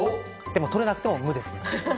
でも取れなくても無ですね。